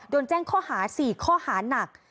โดนแจ้งข้อหา๔ข้อหานัก